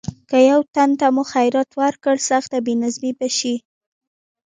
که یو تن ته مو خیرات ورکړ سخت بې نظمي به شي.